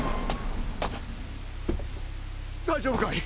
大丈夫かい？